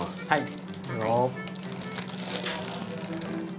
はい。